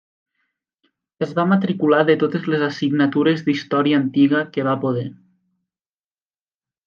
Es va matricular de totes les assignatures d’història antiga que va poder.